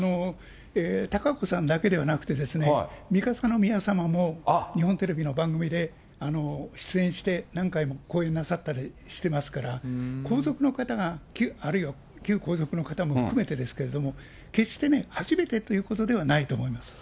貴子さんだけではなくて、三笠宮さまも日本テレビの番組で出演して、何回も講演なさったりしてますから、皇族の方が、あるいは旧皇族の方も含めてですけれども、決して初めてということではないと思います。